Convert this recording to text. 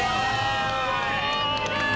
すごい！